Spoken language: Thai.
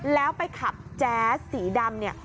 แล้วไปขับแจ๊สสีดำเนี่ย